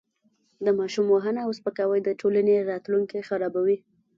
د ماشوم وهنه او سپکاوی د ټولنې راتلونکی خرابوي.